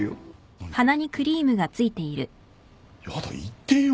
何が？やだ言ってよ。